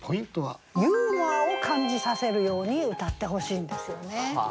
ユーモアを感じさせるようにうたってほしいんですよね。